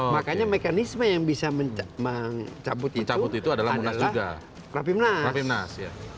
makanya mekanisme yang bisa mencabut itu adalah rapimnas